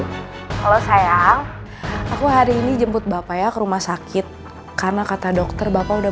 kalau sayang aku hari ini jemput bapak ya ke rumah sakit karena kata dokter bapak udah